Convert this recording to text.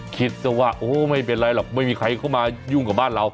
ซะว่าโอ้ไม่เป็นไรหรอกไม่มีใครเข้ามายุ่งกับบ้านเรา